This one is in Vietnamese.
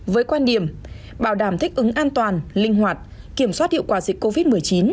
với quan điểm bảo đảm thích ứng an toàn linh hoạt kiểm soát hiệu quả dịch covid một mươi chín